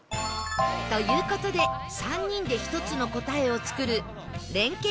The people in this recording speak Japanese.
という事で３人で１つの答えを作る連携